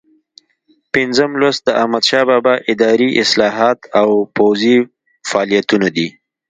پنځم لوست د احمدشاه بابا اداري اصلاحات او پوځي فعالیتونه دي.